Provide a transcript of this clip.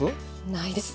ないです。